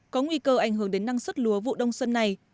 có nguy cơ ảnh hưởng đến năng suất lúa vụ đông xuân này